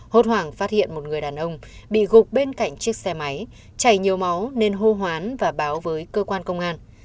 hốt hoảng phát hiện một người đàn ông bị gục bên cạnh chiếc xe máy chảy nhiều máu nên hô hoán và báo với cơ quan công an